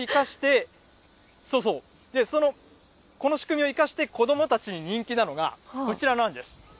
本当に、この仕組みを生かして、子どもたちに人気なのが、こちらなんです。